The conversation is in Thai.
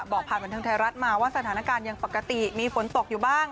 ผ่านบันเทิงไทยรัฐมาว่าสถานการณ์ยังปกติมีฝนตกอยู่บ้าง